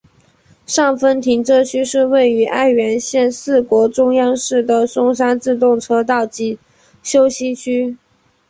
上分停车区是位于爱媛县四国中央市的松山自动车道之休息区。